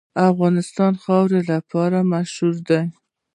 افغانستان د خاوره لپاره مشهور دی.